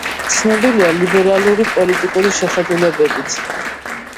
ცნობილია ლიბერალური პოლიტიკური შეხედულებებით.